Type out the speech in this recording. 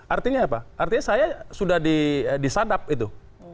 artinya apa artinya saya sudah disadap itu